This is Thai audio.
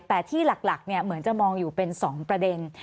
แต่ที่หลักเหมือนจะมองอยู่เป็น๒ประเด็น